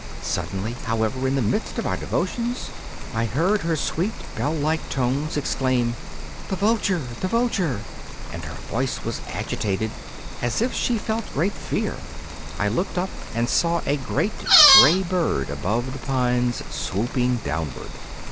Suddenly, however, in the midst of our devotions, I heard her sweet, bell like tones exclaim: 'The vulture! the vulture!' and her voice was agitated, as if she felt great fear. I looked up and saw a great grey bird above the pines, swooping downward.